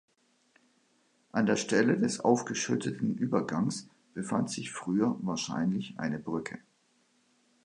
An der Stelle des aufgeschütteten Übergangs befand sich früher wahrscheinlich eine Brücke.